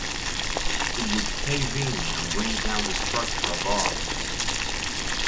It would cave in and bring down the structure above.